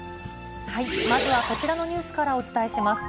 まずはこちらのニュースからお伝えします。